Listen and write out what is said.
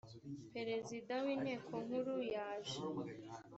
perezida w inteko nkuru yaje